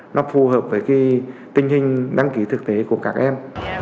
nó phù hợp với cái tình hình đăng ký thực tế của các em